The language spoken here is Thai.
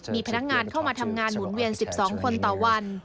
มีพนักงานเข้ามาทำงานหมุนเวียน๑๒คนต่อวัน